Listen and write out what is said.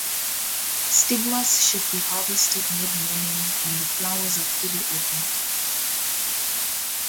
Stigmas should be harvested mid-morning when the flowers are fully opened.